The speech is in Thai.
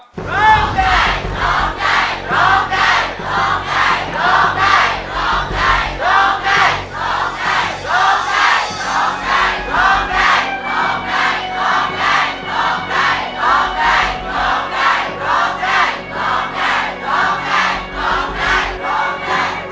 ร้องได้ร้องได้ร้องได้ร้องได้ร้องได้